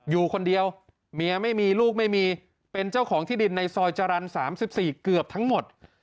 อยู่คนเดียวเมียไม่มีลูกไม่มีเป็นเจ้าของที่ดินในซอยจรรย์๓๔เกือบทั้งหมด